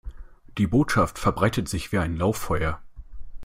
Die Botschaft verbreitet sich wie ein Lauffeuer.